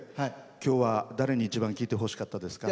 きょうは誰に一番聴いてほしかったですか。